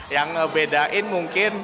yang ngebedain mungkin